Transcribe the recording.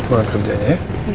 kembali kerjanya ya